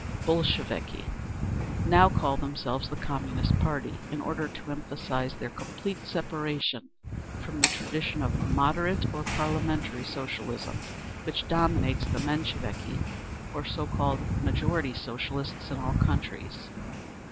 c. Bolsheviki. Now call themselves the Communist Party, in order to emphasise their complete separation from the tradition of "moderate" or "parliamentary" Socialism, which dominates the Mensheviki and the so called Majority Socialists in all countries.